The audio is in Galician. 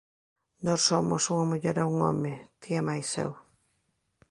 Nós somos unha muller e un home, ti e máis eu.